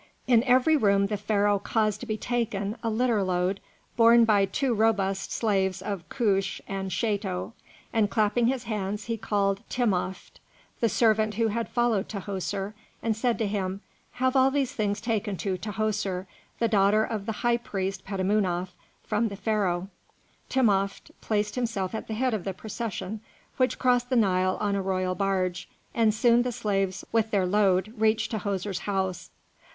In every room the Pharaoh caused to be taken a litter load borne by two robust slaves of Kousch and Scheto, and clapping his hands, he called Timopht, the servant who had followed Tahoser, and said to him, "Have all these things taken to Tahoser, the daughter of the high priest Petamounoph, from the Pharaoh." Timopht placed himself at the head of the procession, which crossed the Nile on a royal barge, and soon the slaves with their load reached Tahoser's house.